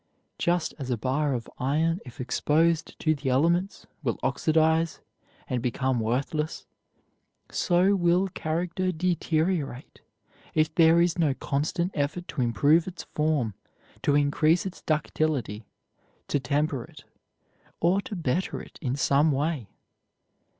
Just as a bar of iron, if exposed to the elements, will oxidize, and become worthless, so will character deteriorate if there is no constant effort to improve its form, to increase its ductility, to temper it, or to better it in some way.